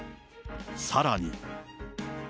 さらに。